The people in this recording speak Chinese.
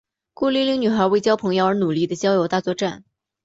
孤零零女孩为交朋友而努力的交友大作战。